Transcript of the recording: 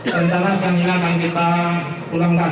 rencana segini akan kita ulangkan